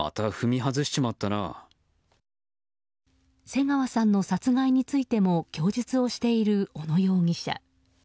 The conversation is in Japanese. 瀬川さんの殺害についても供述をしている小野容疑者。